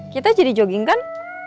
kita jadi jogging kan